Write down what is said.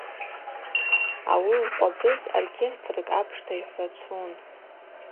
Ауи лкъвабыз оркестркӏ апшта йхӏвачвун.